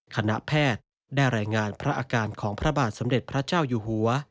คณะแพทย์ได้รายงานพระอาการของพระบาทสมเด็จพระเจ้าอยู่หัว